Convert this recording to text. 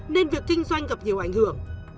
nên việc kinh doanh gặp nhiều ảnh hưởng